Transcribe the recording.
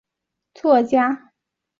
夫婿是专注妖怪事迹的日本作家。